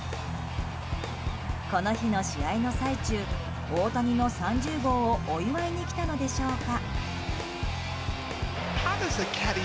この日の試合の最中大谷の３０号をお祝いに来たのでしょうか。